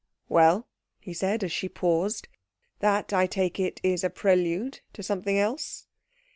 "Well?" he said, as she paused. "That, I take it, is a prelude to something else."